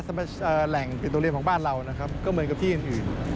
แหล่งปิโตเรียมของบ้านเรานะครับก็เหมือนกับที่อื่น